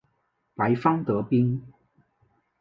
白方得兵。